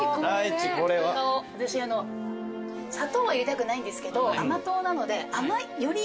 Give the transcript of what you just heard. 私砂糖は入れたくないんですけど甘党なのでより。